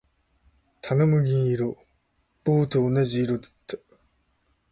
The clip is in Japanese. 棚も銀色。棒と同じ色だった。